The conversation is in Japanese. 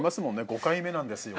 「５回目なんですよ」